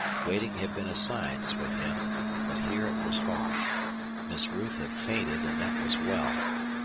Waiting had been a science with him. But here it was hard. Miss Ruth had fainted, and that was well.